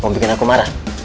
mau bikin aku marah